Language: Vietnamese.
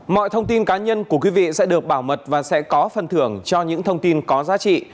mọi thông tin cá nhân của quý vị sẽ được bảo mật và sẽ có phần thưởng cho những thông tin có giá trị